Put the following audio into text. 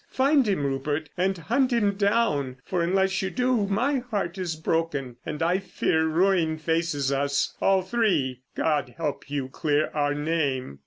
Find him, Rupert, and hunt him down, for unless you do my heart is broken, and I fear ruin faces us—all three. God help you clear our name.